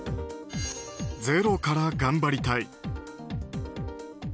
ゼロから頑張りたい。